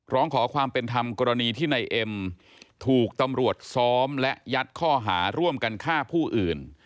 ร้องขอความเป็นธรรมกรณีที่นายเอ็มถูกตำรวจซ้อมและยัดข้อหาร่วมกันฆ่าผู้อื่น